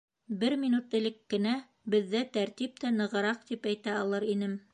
Бер минут элек кенә беҙҙә тәртип тә нығыраҡ тип әйтә алыр инем.